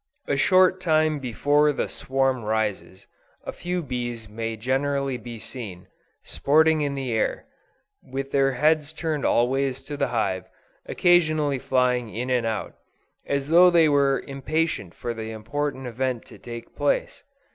A short time before the swarm rises, a few bees may generally be seen, sporting in the air, with their heads turned always to the hive, occasionally flying in and out, as though they were impatient for the important event to take place.